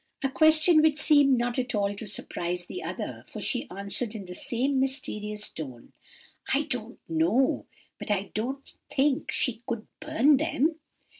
"A question which seemed not at all to surprise the other, for she answered, in the same mysterious tone:— "'I don't know, but I don't think she could burn them.